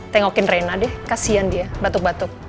tengokin rena deh kasihan dia batuk batuk